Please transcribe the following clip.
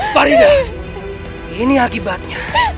farida ini akibatnya